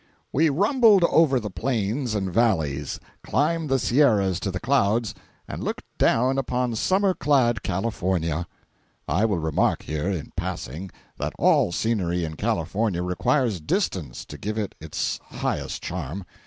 We rumbled over the plains and valleys, climbed the Sierras to the clouds, and looked down upon summer clad California. And I will remark here, in passing, that all scenery in California requires distance to give it its highest charm.